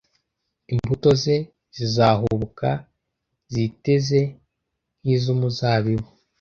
imbuto ze zizahubuka ziteze nk'iz'umuzabibu